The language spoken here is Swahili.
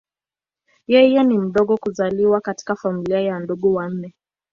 Yeye ni mdogo kuzaliwa katika familia ya ndugu wanne.